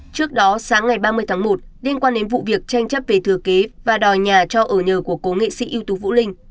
trước đó sáng ngày ba mươi tháng một liên quan đến vụ việc tranh chấp về thừa kế và đòi nhà cho ở nhờ của cố nghệ sĩ ưu tú vũ linh